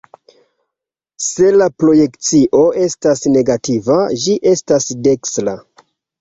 Se la projekcio estas negativa, ĝi estas dekstra.